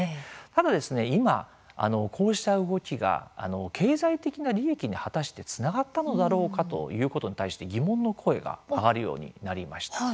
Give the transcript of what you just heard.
ただ今、こうした動きが経済的な利益に果たしてつながったのだろうかということに対して疑問の声が上がるようになりました。